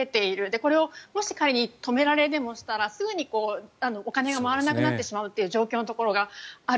これをもし仮に止められでもしたらすぐにお金が回らなくなってしまう状況がある。